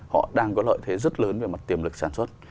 họ đang có lợi thế rất lớn về mặt tiềm lực sản xuất